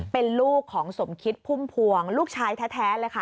เป็นลูกของสมคิดพุ่มพวงลูกชายแท้เลยค่ะ